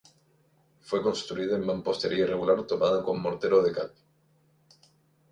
Fue construida en mampostería irregular tomada con mortero de cal.